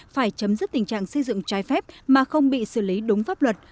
phải chấm dứt tình trạng xây dựng trái phép mà không bị xử lý đúng pháp luật